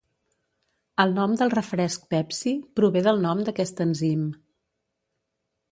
El nom del refresc Pepsi prové del nom d'aquest enzim.